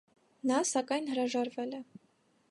Նա, սակայն, հրաժարվել է։